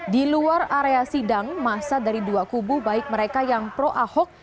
di luar area sidang masa dari dua kubu baik mereka yang pro ahok